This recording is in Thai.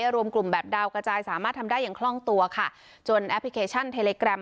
รวมกลุ่มแบบดาวกระจายสามารถทำได้อย่างคล่องตัวค่ะจนแอปพลิเคชันเทเลแกรม